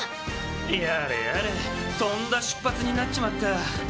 やれやれとんだしゅっぱつになっちまった。